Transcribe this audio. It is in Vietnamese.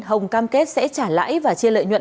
hồng cam kết sẽ trả lãi và chia lợi nhuận